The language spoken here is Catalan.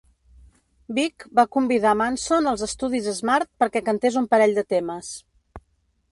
Vig va convidar Manson als estudis Smart perquè cantés un parell de temes.